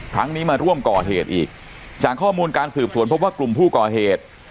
ครั้งนี้มาร่วมก่อเหตุอีกจากข้อมูลการสืบสวนพบว่ากลุ่มผู้ก่อเหตุ